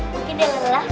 mungkin dia lelah